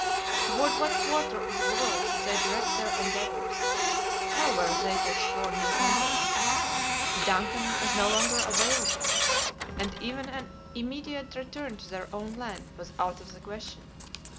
Toward what quarter of the world should they direct their endeavors? How were they to explore new countries? The DUNCAN was no longer available, and even an immediate return to their own land was out of the question.